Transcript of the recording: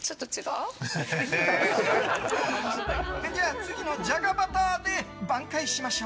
次のじゃがバターで挽回しましょう。